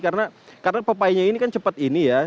karena pepayanya ini kan cepat ini ya